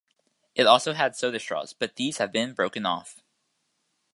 It also had soda straws, but these have been broken off.